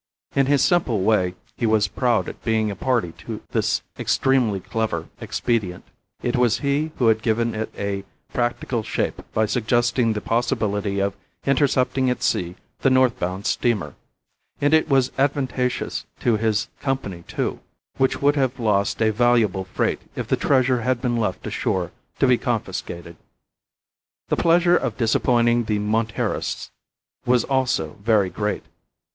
In his simple way he was proud at being a party to this extremely clever expedient. It was he who had given it a practical shape by suggesting the possibility of intercepting at sea the north bound steamer. And it was advantageous to his Company, too, which would have lost a valuable freight if the treasure had been left ashore to be confiscated. The pleasure of disappointing the Monterists was also very great.